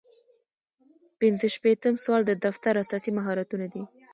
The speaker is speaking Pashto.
پنځه شپیتم سوال د دفتر اساسي مهارتونه دي.